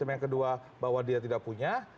yang kedua bahwa dia tidak punya